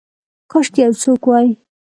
کاشکي یو څوک وی